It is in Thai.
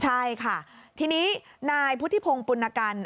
ใช่ค่ะทีนี้นายพุทธิพงศ์ปุณกัน